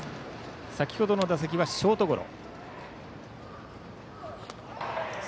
先ほどの打席はショートゴロ。